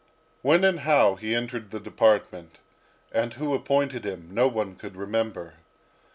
When and how he entered the department, and who appointed him, no one could remember.